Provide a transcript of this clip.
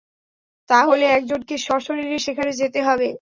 তাহলে, একজনকে স্বশরীরে সেখানে যেতে হবে।